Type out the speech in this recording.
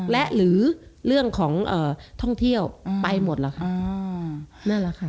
และหรือเรื่องของท่องเที่ยวไปหมดแล้วค่ะ